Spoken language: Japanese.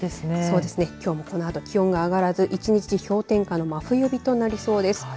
きょうも、このあと気温が上がらず１日氷点下の真冬日となりそうです。